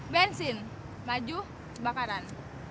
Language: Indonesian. bensin maju kebakaran